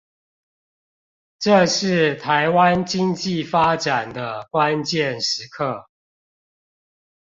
這是臺灣經濟發展的關鍵時刻